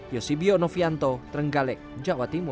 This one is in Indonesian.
yosibio novianto trenggalek jawa timur